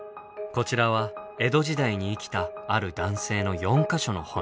こちらは江戸時代に生きたある男性の４か所の骨。